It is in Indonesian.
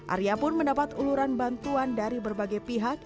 arya pun mendapat uluran bantuan dari berbagai pihak